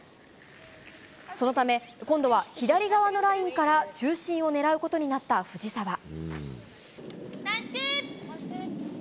そのため今度は左側のラインから中心を狙うことになった藤澤。